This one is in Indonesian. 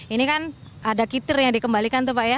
ini kan ada kitir yang dikembalikan tuh pak ya